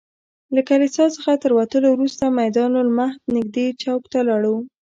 له کلیسا څخه تر وتلو وروسته میدان المهد نږدې چوک ته لاړو.